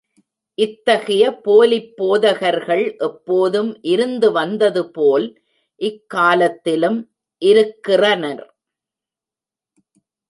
இத்தகைய போலிப் போதகர்கள் எப்போதும் இருந்து வந்ததுபோல், இக்காலத்திலும் இருக்கிறனர்.